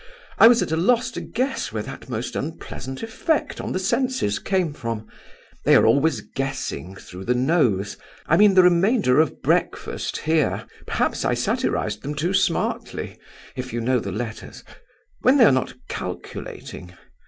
I was at a loss to guess where that most unpleasant effect on the senses came from. They are always 'guessing' through the nose. I mean, the remainder of breakfast here. Perhaps I satirized them too smartly if you know the letters. When they are not 'calculating'.